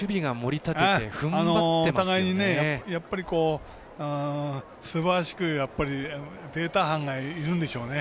お互いにすばらしくデータ班がいるんでしょうね。